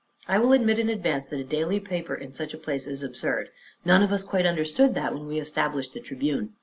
"I will admit, in advance, that a daily paper in such a place is absurd. None of us quite understood that when we established the Tribune.